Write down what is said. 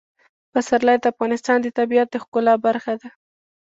پسرلی د افغانستان د طبیعت د ښکلا برخه ده.